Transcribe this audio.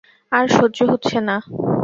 আর সহ্য হচ্ছে না।